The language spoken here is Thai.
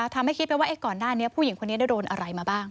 ทำให้คิดไปว่าก่อนหน้านี้ผู้หญิงคนนี้ได้โดนอะไรมาบ้าง